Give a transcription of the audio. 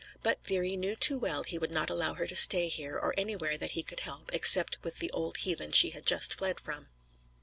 But Thyri knew too well he would not allow her to stay here, or anywhere that he could help, except with the old heathen she had just fled from.